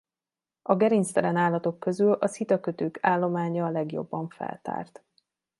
A gerinctelen állatok közül a szitakötők állománya a legjobban feltárt.